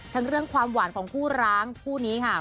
เรื่องความหวานของคู่ร้างคู่นี้ค่ะ